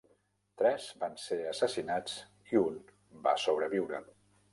Tres van ser assassinats i un va sobreviure.